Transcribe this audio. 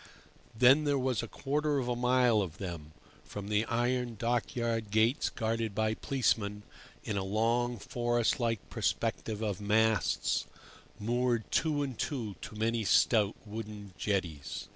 Then there was a quarter of a mile of them, from the iron dockyard gates guarded by policemen, in a long, forest like perspective of masts, moored two and two to many stout wooden jetties.